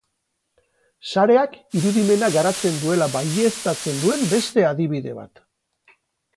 Sareak irudimena garatzen duela baieztatzen duen beste adibide bat.